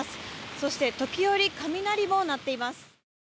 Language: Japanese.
そして、時折、雷も鳴っています。